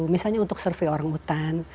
misalnya untuk survei orang hutan